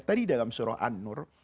tadi dalam surah an nur